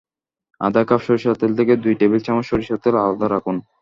আধা কাপ সরিষার তেল থেকে দুই টেবিল চামচ সরিষার তেল আলাদা রাখুন।